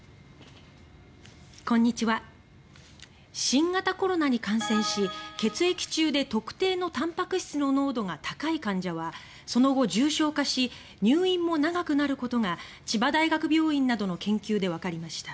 新型コロナに感染し、血液中で特定のたんぱく質の濃度が高い患者はその後、重症化し入院も長くなることが千葉大学病院などの研究でわかりました。